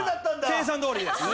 計算どおりです。